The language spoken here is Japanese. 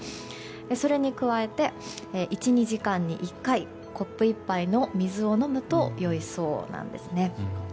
それに加えて１２時間に１回コップ１杯の水を飲むとよいそうなんです。